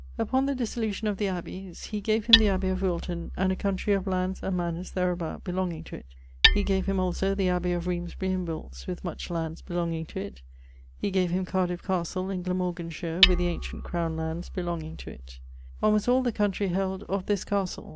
Upon the dissolution of the abbeys, he gave him the abbey of Wilton, and a country of lands and mannours thereabout belonging to it. He gave him also the abbey of Remesbury in Wilts, with much lands belonging to it. He gave him Cardiff Castle in Glamorganshire, with the ancient crowne lands belonging to it. Almost all the country held of this castle.